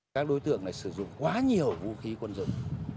các đối tượng này sử dụng quá nhiều vũ khí quân dụng